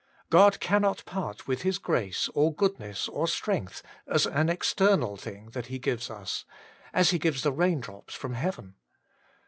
God cannot part with His grace, or goodness, or strength, as an external thing that He gives us, as He gives the raindrops from heaven.